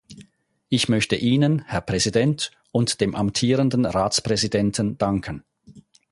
Ich möchte Ihnen, Herr Präsident, und dem amtierenden Ratspräsidenten danken.